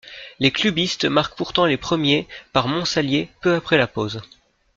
Les Clubistes marquent pourtant les premiers par Monsallier peu après la pause.